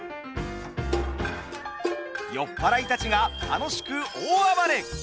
酔っ払いたちが楽しく大暴れ。